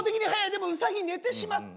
でもウサギ寝てしまった！